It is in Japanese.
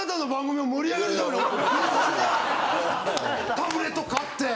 タブレット買って。